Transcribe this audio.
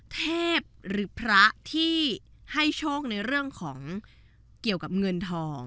เทพหรือพระที่ให้โชคในเรื่องของเกี่ยวกับเงินทอง